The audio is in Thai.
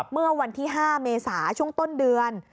เมื่อวันที่๕เมษาช่วงต้นเดือน